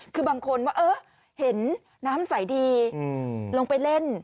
คือบางคนว่าเห็นน้ำใสดีลงไปเล่น